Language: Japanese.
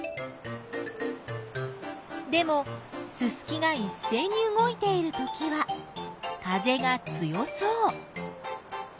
でもススキがいっせいに動いているときは風が強そう。